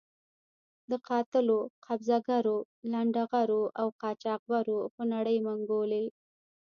د قاتلو، قبضه ګرو، لنډه غرو او قاچاق برو خونړۍ منګولې.